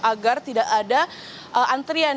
agar tidak ada antrian